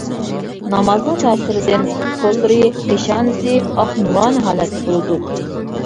نامازنىڭ تەسىرىدىن پۇت-قوللىرى، پېشانىسى ئاق، نۇرانە ھالەتتە بولىدۇ.